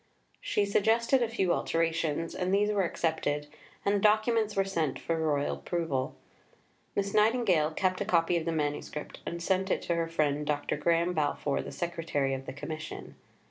She suggested a few alterations, and these were accepted, and the documents were sent for the Royal approval. Miss Nightingale kept a copy of the manuscript, and sent it to her friend, Dr. Graham Balfour, the secretary of the Commission.